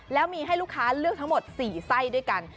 แล้วมีให้ลูกค้าเลือกทั้งหมด๔ไส้ด้วยกัน